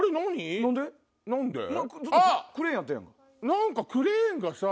何かクレーンがさ。